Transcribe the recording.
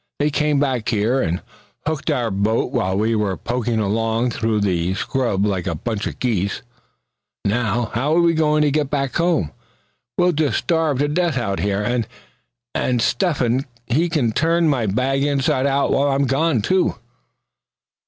They came back here and hooked our boat while we were poking along through the scrub like a bunch of geese. Now, how are we going to get back home? We'll just starve to death out here. And Step hen he c'n turn my bag inside out while I'm gone, too!"